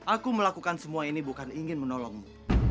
aku melakukan semua ini bukan ingin menolongmu